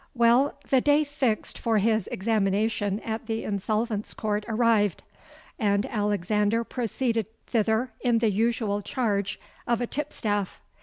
"Well, the day fixed for his examination at the Insolvents' Court arrived; and Alexander proceeded thither in the usual charge of a tipstaff.